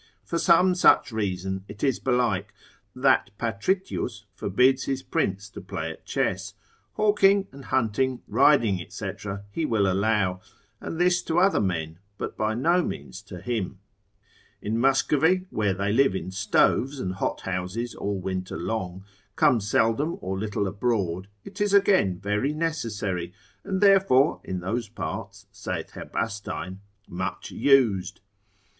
For some such reason it is belike, that Patritius, in his 3. book, tit. 12. de reg. instit. forbids his prince to play at chess; hawking and hunting, riding, &c. he will allow; and this to other men, but by no means to him. In Muscovy, where they live in stoves and hot houses all winter long, come seldom or little abroad, it is again very necessary, and therefore in those parts, (saith Herbastein) much used.